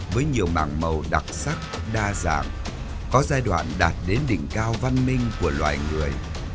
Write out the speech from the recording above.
với nhiều mảng màu đặc sắc đa dạng có giai đoạn đạt đến đỉnh cao văn minh của loài người